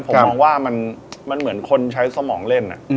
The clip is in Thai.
ผมมองว่ามันเหมือนคนใช้สมองเล่น